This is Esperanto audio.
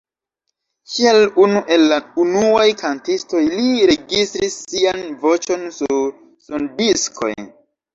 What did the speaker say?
Kiel unu el la unuaj kantistoj li registris sian voĉon sur sondiskoj.